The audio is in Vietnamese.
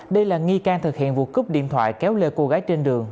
đây là nghi can thực hiện vụ cướp điện thoại kéo lê cô gái trên đường